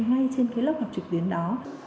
ngay trên cái lớp học trực tuyến đó